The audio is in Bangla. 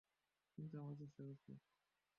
কিন্তু আমরা চেষ্টা করছি।